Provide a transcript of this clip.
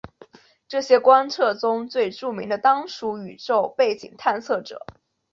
这些观测中最著名的当属宇宙背景探测者。